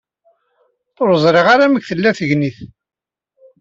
Ur ẓriɣ ara amek tella tegnit.